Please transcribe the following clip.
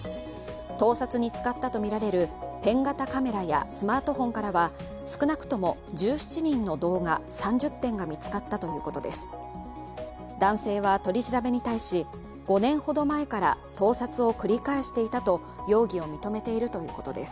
盗撮に使ったとみられるペン型カメラやスマートフォンからは少なくとも１７人の動画３０点が見つかったということです。